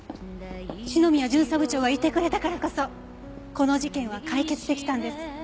篠宮巡査部長がいてくれたからこそこの事件は解決できたんです。